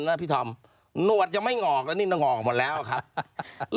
หนวสจะไม่หงอกแล้วจะหงอกหมดแล้วครับ